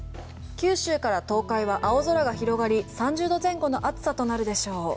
九州から東海は青空が広がり３０度前後の暑さとなるでしょう。